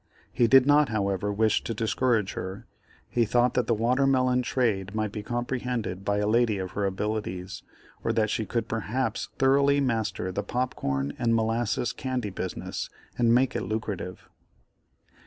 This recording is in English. He did not, however, wish to discourage her; he thought that the water melon trade might be comprehended by a lady of her abilities, or that she could perhaps thoroughly master the pop corn and molasses candy business, and make it lucrative.